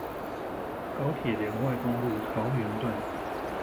高鐵聯外公路桃園段